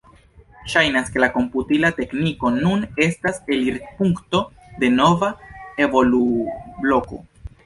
Ŝajnas ke la komputila tekniko nun estas elirpunkto de nova evolubloko.